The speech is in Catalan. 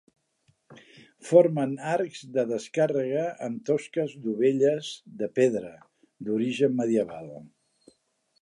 Formen arcs de descàrrega amb tosques dovelles de pedra, d'origen medieval.